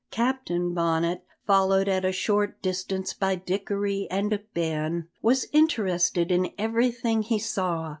Captain Bonnet, followed at a short distance by Dickory and Ben, was interested in everything he saw.